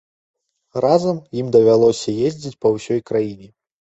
Разам ім давялося ездзіць па ўсёй краіне.